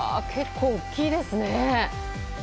結構大きいですね。